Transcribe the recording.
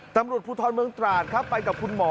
ตำรวจพุทธรเมืองตราดไปกับคุณหมอ